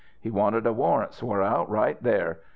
He wanted a warrant swore out right there.